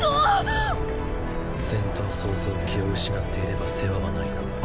戦闘早々気を失っていれば世話はないな。